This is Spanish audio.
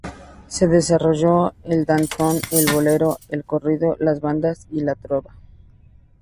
Se desarrolló el danzón, el bolero, el corrido, las bandas y la trova.